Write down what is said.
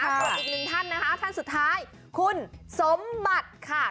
ส่วนอีกหนึ่งท่านนะคะท่านสุดท้ายคุณสมบัติค่ะ